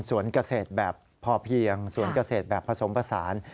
สวนเกษตรแบบพอเพียงสวนเกษตรแบบผสมผสาน